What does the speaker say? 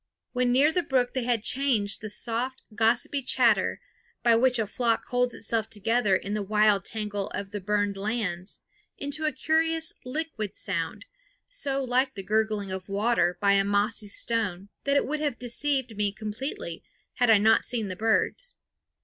When near the brook they had changed the soft, gossipy chatter, by which a flock holds itself together in the wild tangle of the burned lands, into a curious liquid sound, so like the gurgling of water by a mossy stone that it would have deceived me completely, had I not seen the birds.